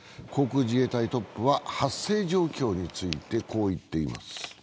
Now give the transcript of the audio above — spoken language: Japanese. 航空自衛隊トップは発生状況についてこう言っています。